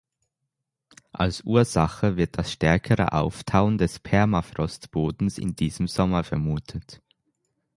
Als Ursache wird das stärkere Auftauen des Permafrostbodens in diesem Sommer vermutet.